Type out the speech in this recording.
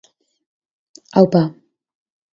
Aupa.